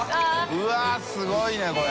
うわっすごいねこれ。